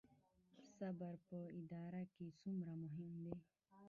صبر په اداره کې څومره مهم دی؟